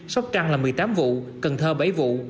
sóc trăng là một mươi tám vụ cần thơ bảy vụ